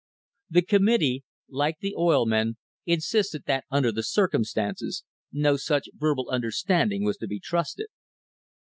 The committee, like the oil men, insisted that under the circumstances no such verbal understanding was to be trusted.